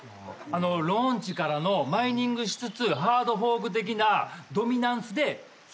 ローンチからのマイニングしつつハードフォーク的なドミナンスで１００倍。